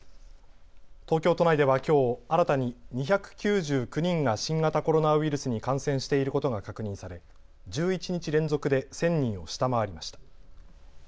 東京都内ではきょう、新たに２９９人が新型コロナウイルスに感染していることが確認され１１日連続で１０００人を下回りました。